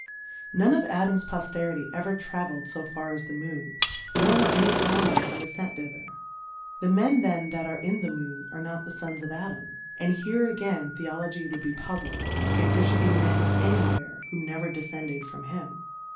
None ^/ AdamV Fofierity ever travePd fo far as the Moon, nor were any Colonies ever fent thither ' i the Men then that are in the Moon, are not the Sons ^/Adam : And here again Theology would he pizled^ if there Jhould be Men anywhere^ who never defcended from him.